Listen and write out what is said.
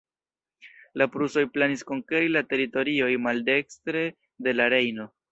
La prusoj planis konkeri la teritorioj maldekstre de la Rejno.